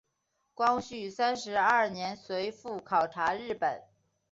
光绪三十二年随父考察日本。